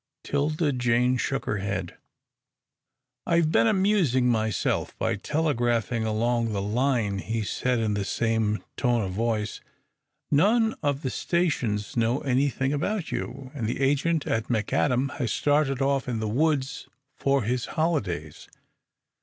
'Tilda Jane shook her head. "I've been amusing myself by telegraphing along the line," he said, in the same tone of voice. "None of the stations know anything about you, and the agent at McAdam has started off in the woods for his holidays.